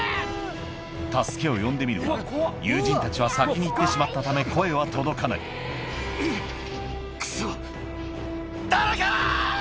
助けを呼んでみるが友人たちは先に行ってしまったため声は届かないうっクソ誰か！